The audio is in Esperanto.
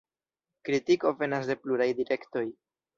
Kritiko venas de pluraj direktoj.